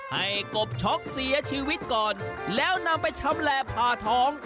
กบช็อกเสียชีวิตก่อนแล้วนำไปชำแหละผ่าท้อง